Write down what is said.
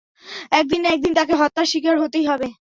একদিন না একদিন তাকে হত্যার শিকার হতেই হবে।